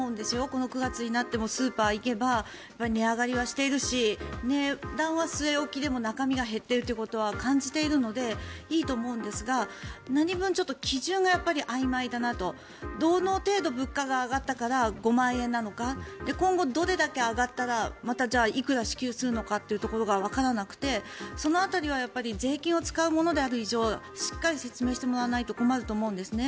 この９月になってもスーパーに行けば値上がりがしているし値段は据え置きでも中身が減っているということは感じているのでいいと思うんですが何分基準があいまいだなとどの程度物価が上がったから５万円なのか今後どれだけ上がったらまたいくら支給するのかっていうところがわからなくて、その辺りは税金を使うものである以上しっかり説明してもらわないと困ると思うんですね。